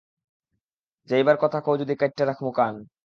যাইবার কথা কও যদি কাইট্টা রাখমু কান।